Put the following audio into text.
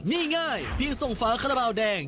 นี่ง่ายเพียงส่งฝาคาราบาลแดง